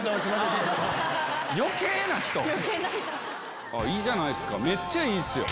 余計な人⁉いいじゃないっすかめっちゃいいっすよ。